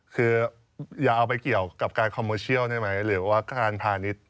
คืออย่าเอาไปเกี่ยวกับการคอมโมเชียลได้ไหมหรือว่าการพาณิชย์